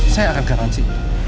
saya akan garansi